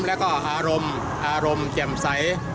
๓และก็อารมณ์เกี่ยวใส